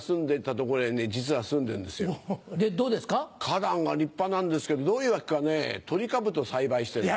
花壇が立派なんですけどどういうわけかねトリカブト栽培してんの。